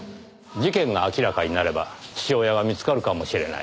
事件が明らかになれば父親が見つかるかもしれない。